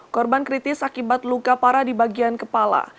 korban kritis akibat luka parah di bagian kepala